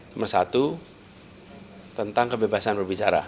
nomor satu tentang kebebasan berbicara